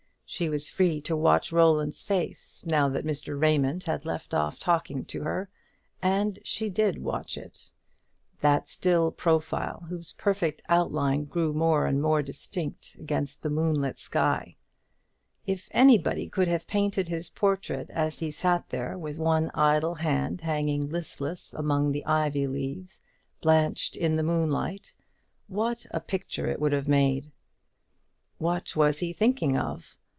She was free to watch Roland's face now that Mr. Raymond had left off talking to her, and she did watch it; that still profile whose perfect outline grew more and more distinct against the moonlit sky. If anybody could have painted his portrait as he sat there, with one idle hand hanging listless among the ivy leaves, blanched in the moonlight, what a picture it would have made! What was he thinking of?